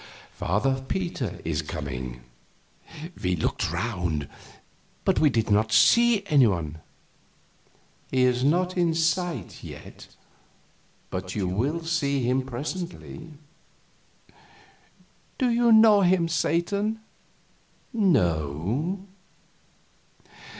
Father Peter is coming." We looked around, but did not see any one. "He is not in sight yet, but you will see him presently." "Do you know him, Satan?" "No."